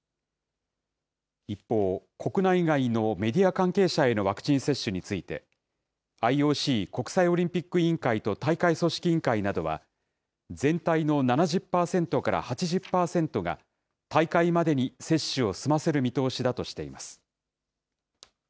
一方、国内外のメディア関係者へのワクチン接種について、ＩＯＣ・国際オリンピック委員会と大会組織委員会などは、全体の７０％から８０％が、大会までに接種を済ませる見通しだとしています。